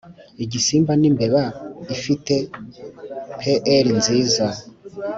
igisimba ni imbeba ifite pr nziza